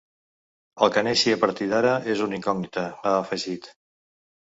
“El que neixi a partir d’ara és una incògnita”, ha afegit.